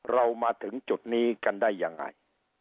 เรามาถึงจุดนี้กันได้ยังไง